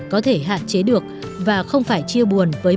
có thể hạn chế được và không phải chia buồn với những bệnh viên